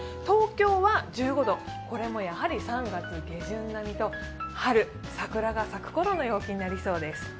東京は１５度、これも３月下旬並みと春、桜が咲くころの陽気になりそうです。